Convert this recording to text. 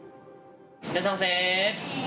いらっしゃいませ。